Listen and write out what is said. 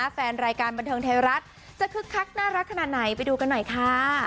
แฟนรายการบันเทิงไทยรัฐจะคึกคักน่ารักขนาดไหนไปดูกันหน่อยค่ะ